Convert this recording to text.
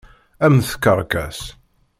A mm tkerkas.